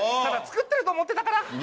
ただ作ってると思ってたから。